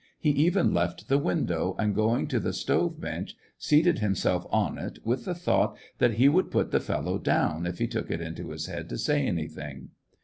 He even left the window, and, going to the stove bench, seated himself on it, with the thought that he would put the fellow down if he took it into his head to say anything.